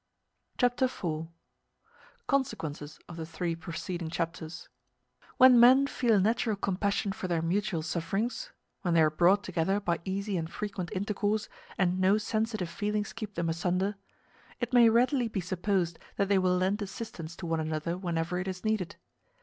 Chapter IV: Consequences Of The Three Preceding Chapters When men feel a natural compassion for their mutual sufferings when they are brought together by easy and frequent intercourse, and no sensitive feelings keep them asunder it may readily be supposed that they will lend assistance to one another whenever it is needed.